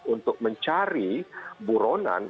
untuk mencari buronan